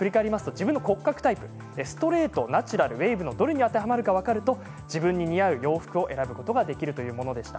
自分の骨格タイプストレート、ナチュラルウエーブのどれに当てはまるか分かると自分に似合う洋服を選ぶことができるというものでした。